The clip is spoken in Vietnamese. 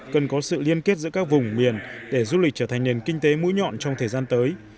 cần có sự liên kết giữa các vùng miền để du lịch trở thành nền kinh tế mũi nhọn trong thời gian tới